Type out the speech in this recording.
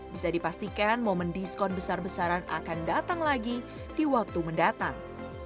bisa dipastikan momen diskon besar besaran akan datang lagi di waktu mendatang